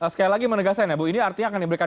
sekali lagi menegaskan ya bu ini artinya akan diberikan